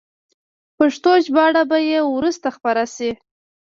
پښتو ژباړه به یې وروسته خپره شي.